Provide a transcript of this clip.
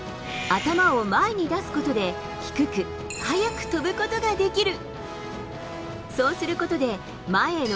頭を前に出すことで、低く、速く跳ぶことができる。